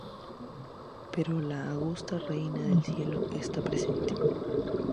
Pero la Augusta Reina del Cielo está presente.